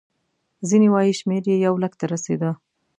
ځینې وایي شمېر یې یو لک ته رسېده.